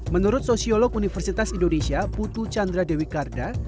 menurut sosiolog universitas indonesia putu chandra dewi karda